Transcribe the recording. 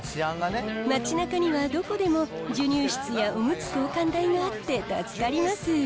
街なかにはどこでも授乳室やおむつ交換台があって、助かります。